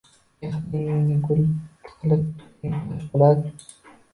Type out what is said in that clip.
Mehringni gul qilib tutding, Toshpo‘lat.